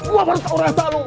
gue baru tau rasa lo